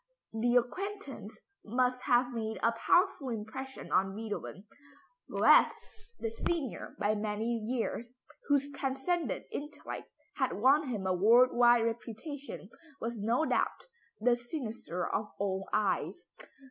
The acquaintance must have made a powerful impression on Beethoven. Goethe, the senior by many years, whose transcendent intellect had won him a world wide reputation, was no doubt the cynosure of all eyes.